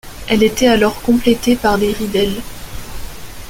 Elle était alors complétée par des ridelles.